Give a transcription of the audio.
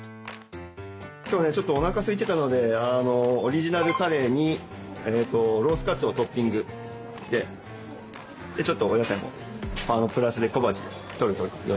今日はねちょっとおなかすいていたのでオリジナルカレーにロースカツをトッピングしてちょっとお野菜もプラスで小鉢でとるというようにしました。